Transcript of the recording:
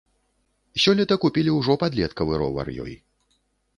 Сёлета купілі ўжо падлеткавы ровар ёй.